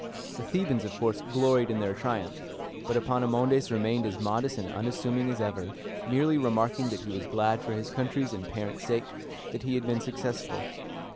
The Thebans, of course, gloried in their triumph; but Epaminondas remained as modest and unassuming as ever, merely remarking that he was glad for his country's and parents' sake that he had been successful.